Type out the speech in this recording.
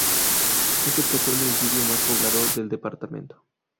Es el tercer municipio más poblado del departamento.